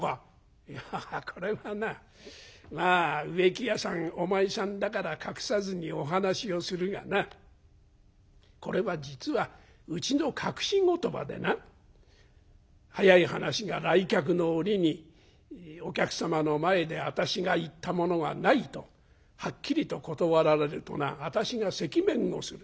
「いやこれがなまあ植木屋さんお前さんだから隠さずにお話をするがなこれは実はうちの隠し言葉でな早い話が来客の折にお客様の前で私が言ったものがないとはっきりと断られるとな私が赤面をする。